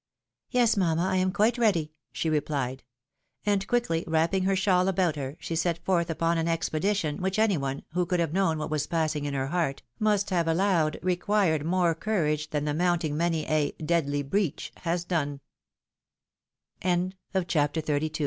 "Yes, mamma! I am quite ready," she replied ; and quickly wrapping her shawl about her, she set forth upon an expedition which any one, who could have known what was passing in her heart, must have allowed required more courage than the mounting many a " dead